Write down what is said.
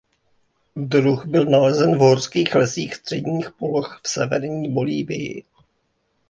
Druh byl nalezen v horských lesích středních poloh v severní Bolívii.